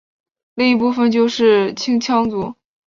另一部分就是青羌族。